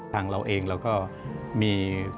เราเองเราก็มี